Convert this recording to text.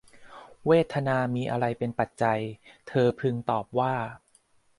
เวทนามีอะไรเป็นปัจจัย เธอพึงตอบว่า